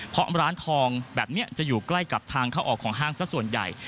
เพราะร้านทองแบบนี้จะอยู่ใกล้กับทางเข้าออกของห้างสักส่วนใหญ่